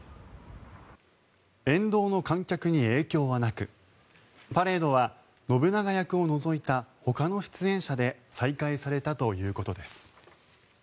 沿道の観客に影響はなくパレードは信長役を除いたほかの出演者で再開されたということです。